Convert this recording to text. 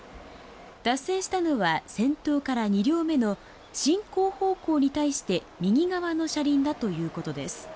脱線したのは先頭から２両目の進行方向に対して右側の車輪だということです。